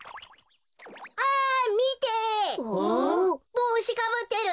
ぼうしかぶってる。